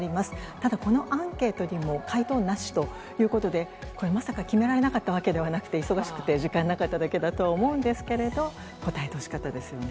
ただこのアンケートにも回答なしということで、これ、まさか決められなかったわけではなくて、忙しくて時間なかっただけだとは思うんですけれど、答えてほしかったですよね。